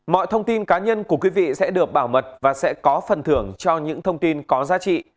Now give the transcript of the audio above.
mọi thông tin cá nhân của quý vị sẽ được bảo mật và sẽ có phần thưởng cho những thông tin có giá trị